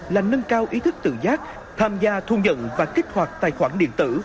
là nâng cao ý thức tự giác tham gia thu nhận và kích hoạt tài khoản điện tử